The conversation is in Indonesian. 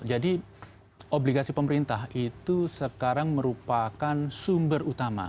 jadi obligasi pemerintah itu sekarang merupakan sumber utama